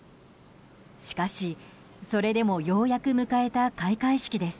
しかし、それでもようやく迎えた開会式です。